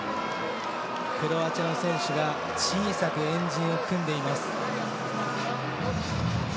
クロアチアの選手が小さく円陣を組んでいます。